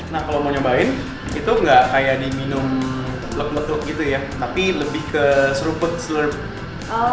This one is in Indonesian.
nah kalau mau nyobain itu gak kayak diminum blok blok gitu ya tapi lebih ke seruput seruput